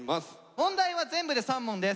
問題は全部で３問です。